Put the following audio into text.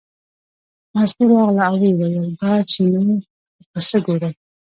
مستو راغله او ویې ویل دا چینی او پسه ګورې.